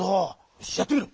よしやってみろ！